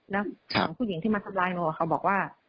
แล้วของผู้หญิงที่มาทำร้ายหนูเขาบอกว่า